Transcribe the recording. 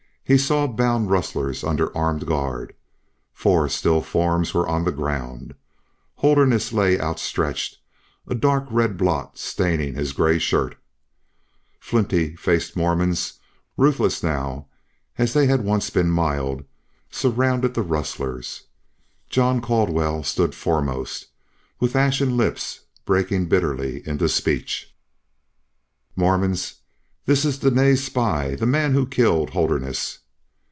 He saw bound rustlers under armed guard. Four still forms were on the ground. Holderness lay outstretched, a dark red blot staining his gray shirt. Flinty faced Mormons, ruthless now as they had once been mild, surrounded the rustlers. John Caldwell stood foremost, with ashen lips breaking bitterly into speech: "Mormons, this is Dene's spy, the man who killed Holderness!"